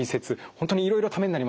本当にいろいろためになりました。